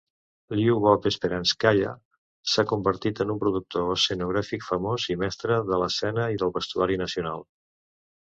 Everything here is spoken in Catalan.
Lyubov Sperànskaia s'ha convertit en un productor escenogràfic famós i mestre de l'escena i del vestuari nacional.